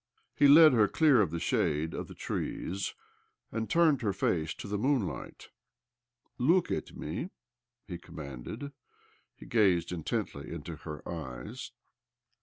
He led her clear of the shade of the trees, and turned her face to the moonlight. " Look at me," he commanded. He gazed intently into her eyes.